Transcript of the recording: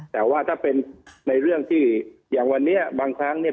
แต่ว่าถ้าเป็นในเรื่องที่อย่างวันนี้บางครั้งเนี่ย